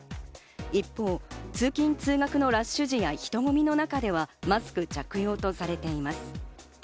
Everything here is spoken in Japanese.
一方、通勤・通学のラッシュ時や人混みの中ではマスク着用とされています。